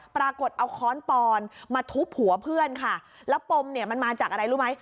ปรากฏเอาค้อนปอนมาทุบหัวเพื่อนค่ะแล้วปมเนี่ยมันมาจากอะไรรู้ไหม